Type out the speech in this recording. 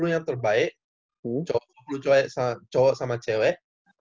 dua puluh yang terbaik dua puluh cowok sama cewek